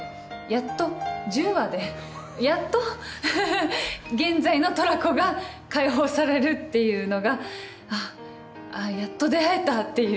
やっと１０話でやっとフフフ現在のトラコが解放されるっていうのがあっやっと出会えたっていう。